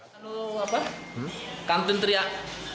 kalau apa kantun teriak